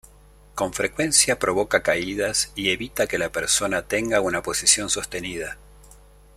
Con frecuencia provoca caídas y evita que la persona tenga una posición sostenida.